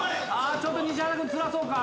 ちょっと西畑君つらそうか？